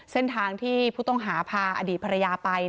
เส้นทางที่ผู้ต้องหาพาอดีตภรรยาไป